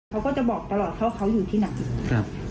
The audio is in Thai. เขาก็จะบอกตลอดเขาอยู่ที่ไหน